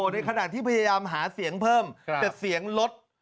ในขณะที่พยายามหาเสียงเพิ่มแต่เสียงลด